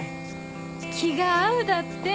気が合うだって！